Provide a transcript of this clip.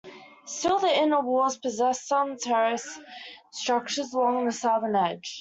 Still the inner walls possess some terrace structures along the southern edge.